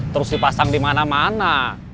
terus dipasang di mana mana